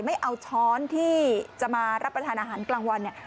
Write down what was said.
ไม่เอาช้อนที่จะมารับประทานอาหารกลางวันเนี่ย